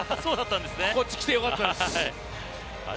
こっち来て良かったです。